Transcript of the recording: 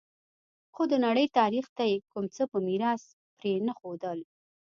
خو د نړۍ تاریخ ته یې کوم څه په میراث پرې نه ښودل